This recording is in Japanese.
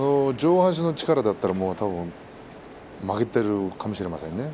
上半身の力だったら負けているかもしれませんね。